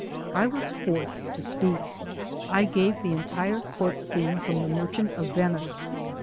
I was fourth to speak. I gave the entire Court Scene from the "Merchant of Ven ice."